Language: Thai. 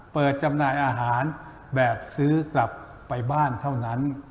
จำหน่ายอาหารแบบซื้อกลับไปบ้านเท่านั้น